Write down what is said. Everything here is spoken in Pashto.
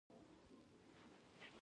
اوبه يې ځيني و زبېښلې